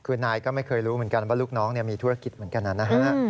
คือนายก็ไม่เคยรู้เหมือนกันว่าลูกน้องมีธุรกิจเหมือนกันนะฮะ